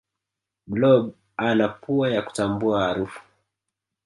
blob hana pua ya kutambua harufu